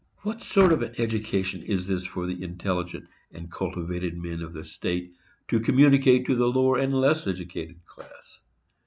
What sort of an education is this for the intelligent and cultivated men of a state to communicate to the lower and less educated class?